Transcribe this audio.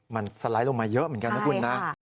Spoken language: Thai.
มันสไลด์ลงมาเยอะเหมือนกันนะคุณนะ